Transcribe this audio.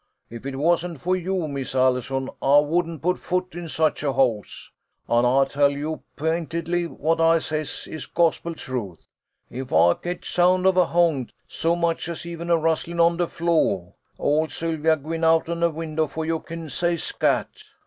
If it wasn't fo' you, Miss Allison, I wouldn't put foot in such a house. An' I tell you p'intedly, what I says is gospel truth, if I ketch sound of a han't, so much as even a rustlin' on de flo', ole Sylvia gwine out'n a windah fo' you kin say scat